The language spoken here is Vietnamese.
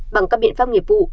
bằng các biện pháp nghiệp vụ